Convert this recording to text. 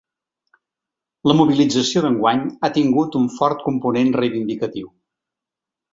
La mobilització d’enguany ha tingut un fort component reivindicatiu.